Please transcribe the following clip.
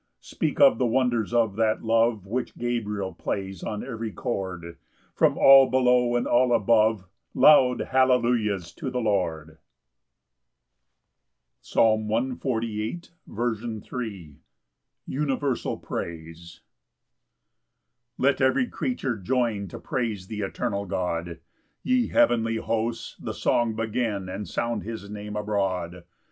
12 Speak of the wonders of that love Which Gabriel plays on every chord: From all below and all above, Loud hallelujahs to the Lord! Psalm 148:3. S. M. Universal praise. 1 Let every creature join To praise th' eternal God; Ye heavenly hosts, the song begin, And sound his Name abroad.